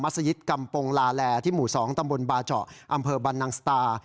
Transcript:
สยิตกำปงลาแลที่หมู่๒ตำบลบาเจาะอำเภอบรรนังสตา